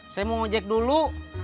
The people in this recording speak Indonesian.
saya mau ngejek dulu